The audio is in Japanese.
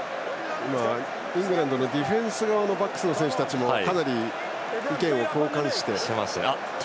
イングランドのディフェンス側のバックスの選手たちもかなり意見を交換していました。